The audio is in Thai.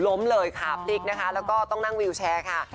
ล้มเลยขาพลิกนะคะแล้วก็ต้องนั่งวิวแชร์ค่ะ